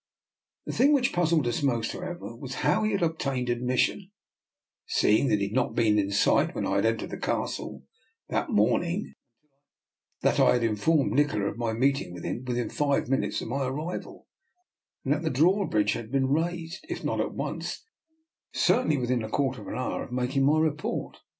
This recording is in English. The thing which puzzled us most, however, was how he had obtained admission, seeing that he had not been in sight when I had entered the Castle that morning, that I had informed Nikola of my meeting with him within five minutes of my arrival, and that the drawbridge had been raised, if not at once, certainly within a quar ter of an hour of my making my report.